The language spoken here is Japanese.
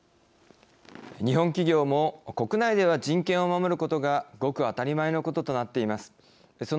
日本企業も国内では人権を守ることがごく当たり前のこととなっています。